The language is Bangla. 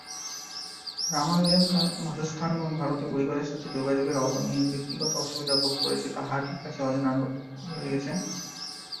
রামানুজন তার বাসস্থান এবং ভারতে পরিবারের সাথে যোগাযোগের অভাব নিয়ে যে ব্যক্তিগত অসুবিধা ভোগ করছে, তা হার্ডির কাছে অজানা রয়ে গেছে।